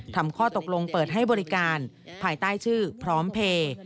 ข้อตกลงเปิดให้บริการภายใต้ชื่อพร้อมเพลย์